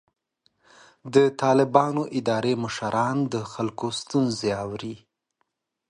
د طالبانو اداري مشران د خلکو ستونزې اوري.